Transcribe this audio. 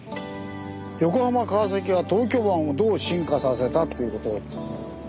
「横浜・川崎は東京湾をどう進化させた？」っていうことだったね。